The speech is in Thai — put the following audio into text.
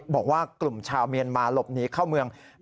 บอกว่ากลุ่มชาวเมียนมาหลบหนีเข้าเมือง